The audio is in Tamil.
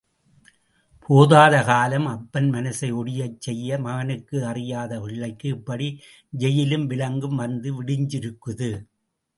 போதாத காலம், அப்பன் மனசை ஒடியச் செய்ய, மகனுக்கு அறியாத பிள்ளைக்கு இப்படி ஜெயிலும் விலங்கும் வந்து விடிஞ்சிருக்குது.